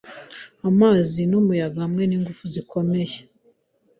Amazi numuyaga hamwe ningufu zikomeye